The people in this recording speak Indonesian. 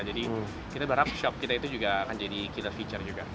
jadi kita berharap shop kita itu juga akan jadi killer feature juga